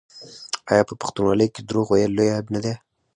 آیا په پښتونولۍ کې دروغ ویل لوی عیب نه دی؟